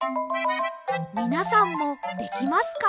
みなさんもできますか？